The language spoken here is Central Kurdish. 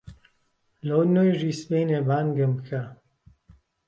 لۆ نوێژی سبەینێ بانگم بکە.